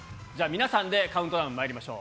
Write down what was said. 皆さんでカウントダウン、まいりましょう。